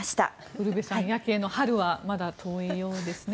ウルヴェさんヤケイの春はまだ遠いようですね。